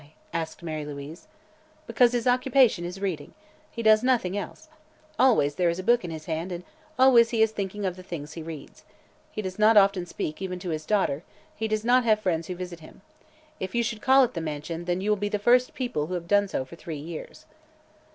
asked Mary Louise. "Because his occupation is reading. He does nothing else. Always there is a book in his hand and always he is thinking of the things he reads. He does not often speak, even to his daughter; he does not have friends who visit him. If you should call at the mansion, then you will be the first people who have done so for three years."